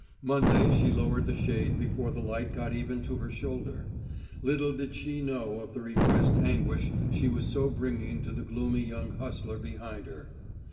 Monday she lowered the shade before the light got even to her shoulder. Little did she know of the repressed anguish she was so bringing to the gloomy young hustler behind her.